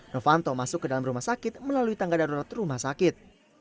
novanto masuk ke dalam rumah sakit melalui tangga darurat rumah sakit